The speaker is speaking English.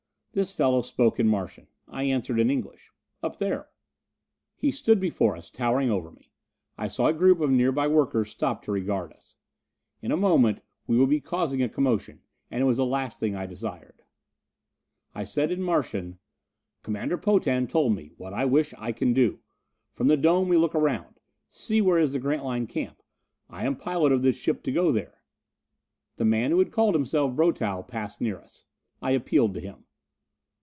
This fellow spoke in Martian. I answered in English. "Up there." He stood before us, towering over me. I saw a group of nearby workers stop to regard us. In a moment we would be causing a commotion, and it was the last thing I desired. I said in Martian, "Commander Potan told me, what I wish I can do. From the dome we look around see where is the Grantline camp I am pilot of this ship to go there." The man who had called himself Brotow passed near us. I appealed to him.